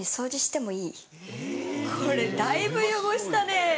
これだいぶ汚したね。